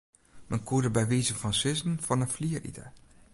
Men koe der by wize fan sizzen fan 'e flier ite.